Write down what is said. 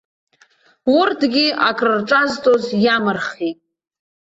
Урҭгьы акрырҿазҵоз иамырхит.